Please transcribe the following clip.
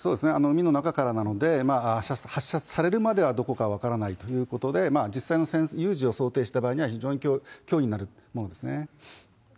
海の中からなので、発射されるまではどこか分からないということで、実際の有事を想定した場合には、非常に脅威になるものですね。